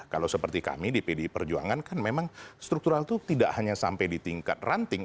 kalau seperti kami di pdi perjuangan kan memang struktural itu tidak hanya sampai di tingkat ranting